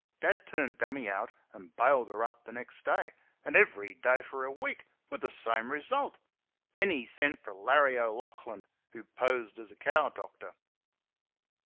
Dad turned "Dummy" out and bailed her up the next day and every day for a week with the same result. Then he sent for Larry O'Laughlin, who posed as a cow doctor.